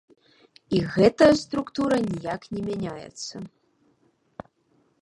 І гэтая структура ніяк не мяняецца.